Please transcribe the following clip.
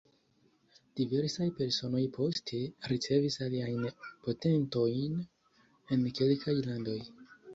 Diversaj personoj poste ricevis aliajn patentojn en kelkaj landoj.